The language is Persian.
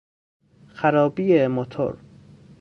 خرابی موتور